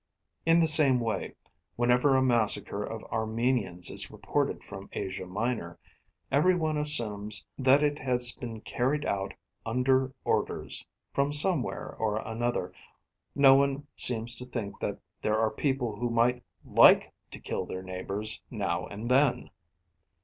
In the same way, whenever a massacre of Armenians is reported from Asia Minor, every one assumes that it has been carried out "under orders" from somewhere or another, no one seems to think that there are people who might LIKE to kill their neighbours now and then.